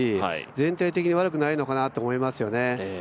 全体的に悪くないのかなと思いますよね。